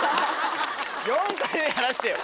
４回目やらしてよ。